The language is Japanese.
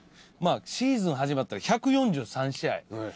まあシーズン始まったら１４３試合